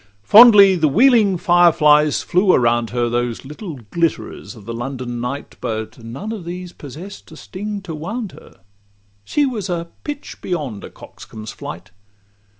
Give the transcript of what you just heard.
Fondly the wheeling fire flies flew around her, Those little glitterers of the London night; But none of these possess'd a sting to wound her— She was a pitch beyond a coxcomb's flight.